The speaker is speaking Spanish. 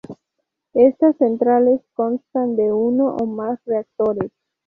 Estas centrales constan de uno o más reactores.